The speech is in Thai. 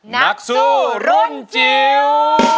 นักสู้รุ่นจิ๋ว